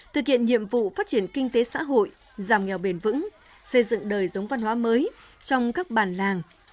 thực hiện nhiệm vụ phát triển kinh tế xã hội giảm nghèo bền vững xây dựng đời giống văn hóa mới trong các bản làng